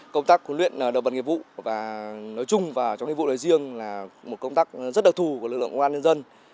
công tác huấn luyện là động vật nghiệp vụ và nói chung và trong nghiệp vụ này riêng là một công tác rất đặc thù của lực lượng công an nhân dân